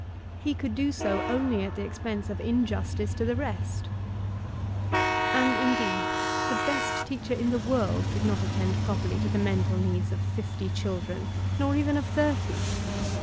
He could do so only at the expense of injustice to the rest And, indeed, the best teacher m the world could not attend properly to the mental needs of fifty children, nor even of thirty.